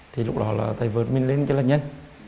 thì lúc đó là thầy vợt mình lên cho là nhân